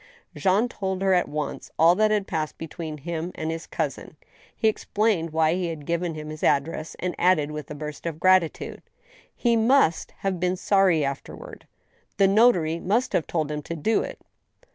Jean told her at once all that had passed between himself and , his cousin. He explained why he had given him his address, and added, with a burst of gratitude : "He must have been sorry afterward; ... the notary must have told him to do it.